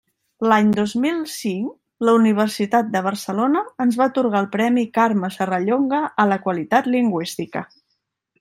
L'any dos mil cinc la Universitat de Barcelona ens va atorgar el premi Carme Serrallonga a la qualitat lingüística.